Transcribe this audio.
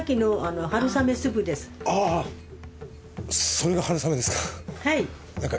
それが春雨ですか。